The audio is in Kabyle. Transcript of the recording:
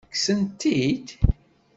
Kksen-t-id?